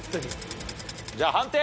じゃあ判定！